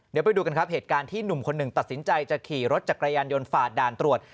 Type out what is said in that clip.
เดี๋ยวไปดูกันครับเหตุการณ์ที่หนุ่มคนหนึ่งตัดสินใจจะขี่รถจักรยานยนต์ฝ่าด่านตรวจ